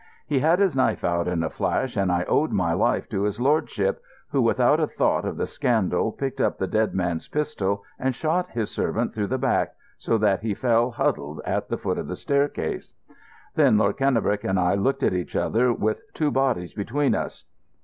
He had his knife out in a flash, and I owed my life to his lordship, who, without a thought of the scandal, picked up the dead man's pistol and shot his servant through the back, so that he fell huddled at the foot of the staircase. Then Lord Cannebrake and I looked at each other with two bodies between us.